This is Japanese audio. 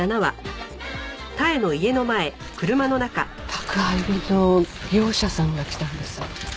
宅配便の業者さんが来たんです。